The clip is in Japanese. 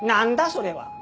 それは。